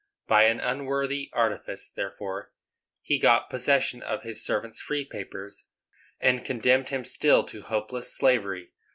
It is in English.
By an unworthy artifice, therefore, he got possession of his servant's free papers, and condemned him still to hopeless slavery.